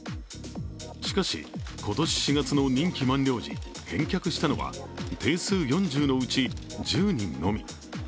しかし、今年４月の任期満了時、返却したのは定数４０のうち１０人のみ。